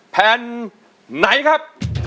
แผ่นไหนครับ